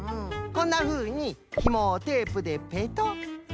こんなふうにひもをテープでペトッ。